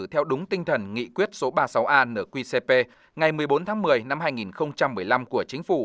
theo đúng tinh thần nghị quyết số ba mươi sáu a nqcp ngày một mươi bốn tháng một mươi năm hai nghìn một mươi năm của chính phủ